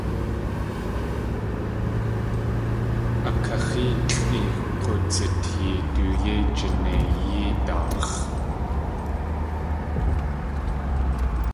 A kaxéelʼi k̲oowdzitee du yéi jineiyí daax̲.